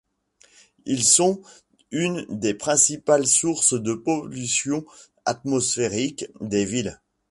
Ils sont une des principales sources de pollution atmosphérique des villes.